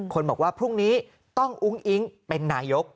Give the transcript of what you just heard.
คนบอกว่าพรุ่งนี้ต้องอุ้งอิ๊งเป็นนายก